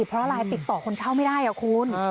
เพราะอะไรติดต่อคนเช่าไม่ได้คุณ